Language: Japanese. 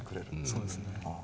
そうですね。はあ。